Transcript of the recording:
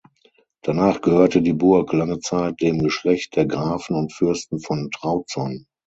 Danach gehörte die Burg lange Zeit dem Geschlecht der Grafen und Fürsten von Trautson.